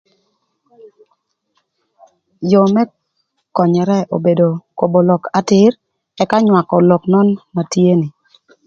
Yoo më könyërë obedo kobo lok atïr ëka nywakö lok nön na tye ni.